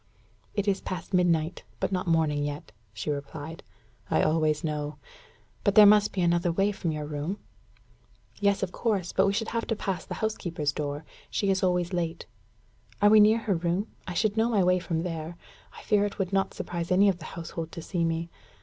"It is past midnight, but not morning yet," she replied, "I always know. But there must be another way from your room?" "Yes, of course; but we should have to pass the housekeeper's door she is always late." "Are we near her room? I should know my way from there. I fear it would not surprise any of the household to see me.